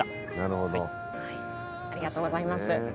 ありがとうございます。